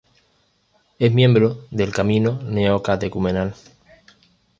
Es miembro del Camino Neocatecumenal.